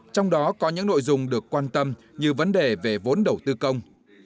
trong đó có những nội dung được quan tâm như vấn đề về vốn đầu tư công